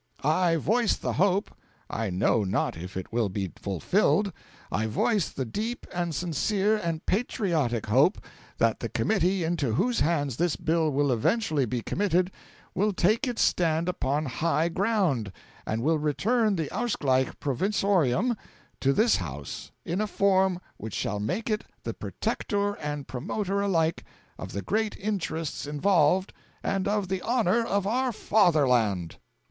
'I voice the hope I know not if it will be fulfilled I voice the deep and sincere and patriotic hope that the committee into whose hands this bill will eventually be committed will take its stand upon high ground, and will return the Ausgleich Provisorium to this House in a form which shall make it the protector and promoter alike of the great interests involved and of the honour of our fatherland.'